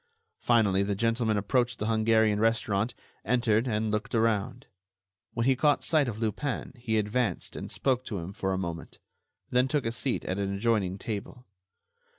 Finally the gentleman approached the Hungarian restaurant, entered and looked around. When he caught sight of Lupin he advanced and spoke to him for a moment, then took a seat at an adjoining table.